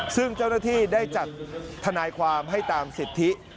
ซึ่งเจ้าหน้าที่ได้จัดทนายความให้ตามสิทธิ